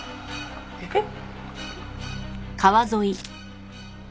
えっ？